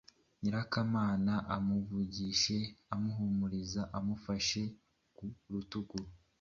Nyirakamana Amuvugishe amuhumuriza amufashe ku rutugu.